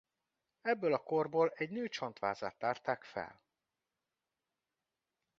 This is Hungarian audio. Ebből a korból egy nő csontvázát tárták fel.